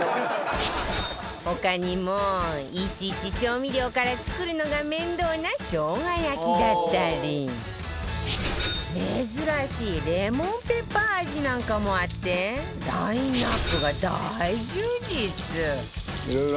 他にもいちいち調味料から作るのが面倒な生姜焼きだったり珍しいレモンペッパー味なんかもあってラインアップが大充実！